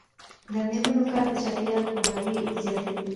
د میرمنو کار د چاپیریال پوهاوي زیاتوي.